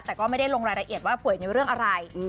แต่ก็ไม่ได้ลงรายละเอียดว่าป่วยในเรื่องอะไร